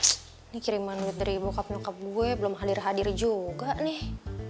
ini kiriman duit dari bokap nokap gue belum hadir hadir juga nih